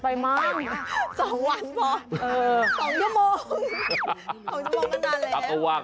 อาทิตย์เลยเหรอนานไปมาก